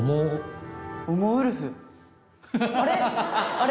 あれ？